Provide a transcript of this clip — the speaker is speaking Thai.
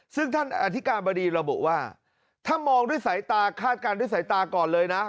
ซึ่งท่านอธิการบดีระบุว่าถ้ามองด้วยสายตาคาดการณ์ด้วยสายตาก่อนเลยนะ